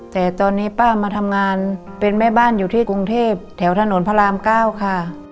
แต่ตอนนี้ป้ามาทำงานเป็นแม่บ้านอยู่ที่กรุงเทพแถวถนนพระราม๙ค่ะ